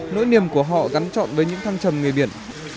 nỗi niềm của họ gắn trọn với những thăng trầm người biển